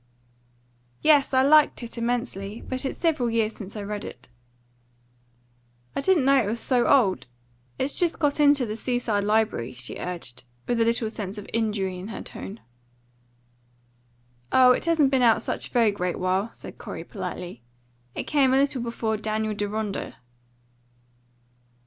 "Yes; I liked it immensely. But it's several years since I read it." "I didn't know it was so old. It's just got into the Seaside Library," she urged, with a little sense of injury in her tone. "Oh, it hasn't been out such a very great while," said Corey politely. "It came a little before DANIEL DERONDA."